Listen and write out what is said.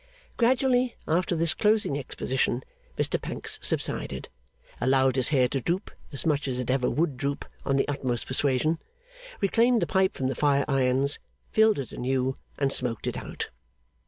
Gradually, after this closing exposition, Mr Pancks subsided; allowed his hair to droop as much as it ever would droop on the utmost persuasion; reclaimed the pipe from the fire irons, filled it anew, and smoked it out.